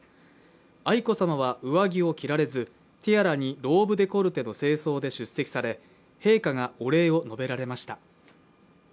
愛子さまは上着を着られずティアラにローブデコルテの正装で出席され陛下がお礼を述べられました。